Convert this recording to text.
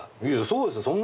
いやそうですよ。